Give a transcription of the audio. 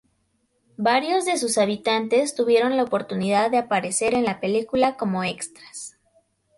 Varios de sus habitantes tuvieron la oportunidad de aparecer en la película como extras.